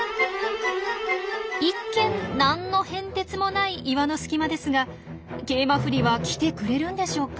一見何の変哲もない岩の隙間ですがケイマフリは来てくれるんでしょうか？